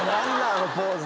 あのポーズ。